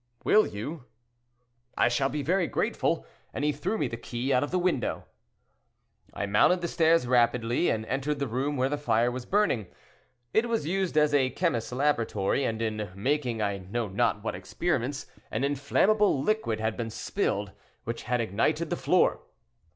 'Will you? I shall be very grateful,' and he threw me the key out of the window. "I mounted the stairs rapidly, and entered the room where the fire was burning; it was used as a chemist's laboratory, and in making I know not what experiments, an inflammable liquid had been spilled, which had ignited the floor.